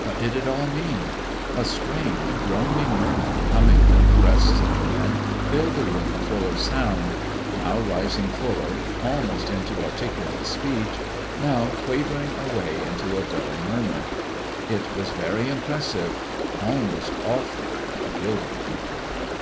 What did it all mean? A strange, groaning murmur coming from the breasts of the men filled the room full of sound, now rising fuller, almost into articulate speech, now quavering away into a dull murmur. It was very impressive almost awful, to Gilderman.